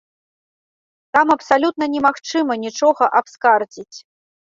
Там абсалютна немагчыма нічога абскардзіць.